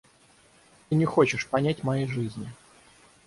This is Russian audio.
Ты не хочешь понять моей жизни.